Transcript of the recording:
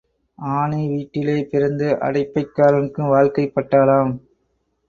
ஆனை வீட்டிலே பிறந்து அடைப்பக்காரனுக்கு வாழ்க்கைப் பட்டாளாம்.